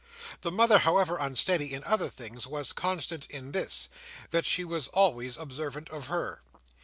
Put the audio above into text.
The mother, however unsteady in other things, was constant in this—that she was always observant of her.